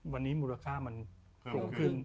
วันนี้มูลค่ามันเพิ่มขึ้น